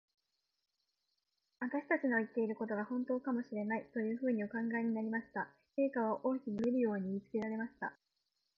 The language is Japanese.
私たちの言ってることが、ほんとかもしれない、というふうにお考えになりました。陛下は王妃に、私の面倒をよくみるように言いつけられました。